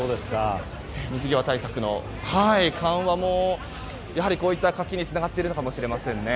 水際対策の緩和もやはり、こういった活気につながっているのかもしれませんね。